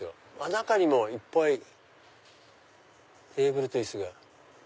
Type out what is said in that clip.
中にもいっぱいテーブルと椅子が。